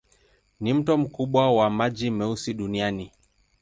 Ni mto mkubwa wa maji meusi duniani.